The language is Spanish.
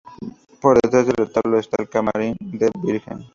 Por detrás del retablo está el camarín de la Virgen.